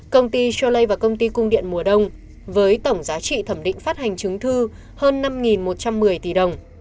công ty schollay và công ty cung điện mùa đông với tổng giá trị thẩm định phát hành chứng thư hơn năm một trăm một mươi tỷ đồng